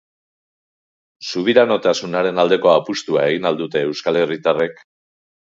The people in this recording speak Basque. Subiranotasunaren aldeko apustua egin al dute euskal herritarrek?